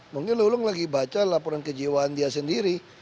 mungkin lulung lagi baca laporan kejiwaan dia sendiri